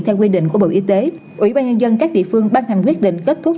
theo quy định của bộ y tế ủy ban nhân dân các địa phương ban hành quyết định cấp thuốc